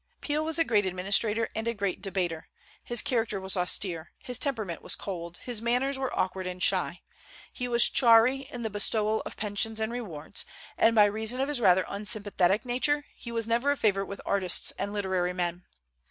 Peel was a great administrator and a great debater. His character was austere, his temperament was cold, his manners were awkward and shy; he was chary in the bestowal of pensions and rewards; and by reason of his rather unsympathetic nature he never was a favorite with artists and literary men.